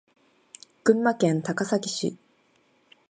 群馬県高崎市